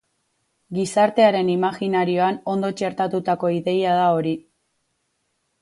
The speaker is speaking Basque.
Gizartearen imajinarioan ondo txertatutako ideia da hori.